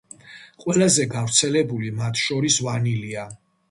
ყველაზე გავრცელებული მათ შორის ვანილია.